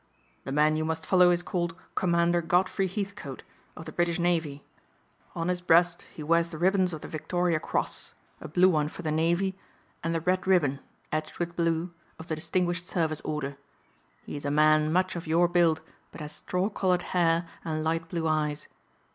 "The man you must follow is called Commander Godfrey Heathcote, of the British Navy. On his breast he wears the ribbons of the Victoria Cross a blue one for the Navy and the red ribbon, edged with blue, of the Distinguished Service Order. He is a man much of your build but has straw colored hair and light blue eyes.